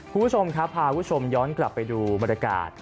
พุทธชมครับปำมาตย์พ่อคุณจะย้อนกลับไปดูบรรดิการ